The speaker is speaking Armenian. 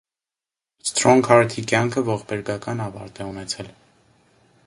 Սթրոնգհարթի կյանքը ողբերգական ավարտ է ունեցել։